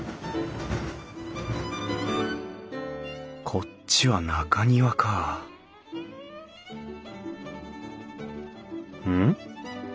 こっちは中庭かうん？